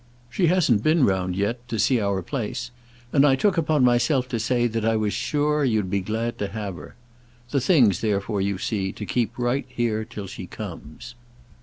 She hasn't been round yet—to see our place; and I took upon myself to say that I was sure you'd be glad to have her. The thing's therefore, you see, to keep right here till she comes."